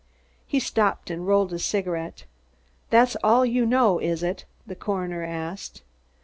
He stopped and rolled a cigarette. "That's all you know, is it?" the coroner asked.